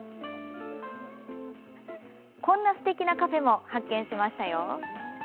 こんな、すてきなカフェも発見しましたよ。